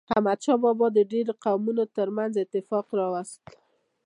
احمد شاه بابا د ډیرو قومونو ترمنځ اتفاق راوست.